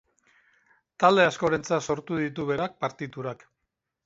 Talde askorentzar sortu ditu berak partiturak.